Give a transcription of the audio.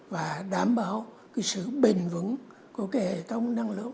và đảm bảo cái sự bền vững của cái hệ thống năng lượng